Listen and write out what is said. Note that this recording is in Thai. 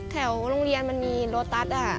แถวโรงเรียนมันมีโลตัส